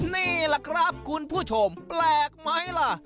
นี่แหละครับคุณผู้ชมแปลกไหมล่ะ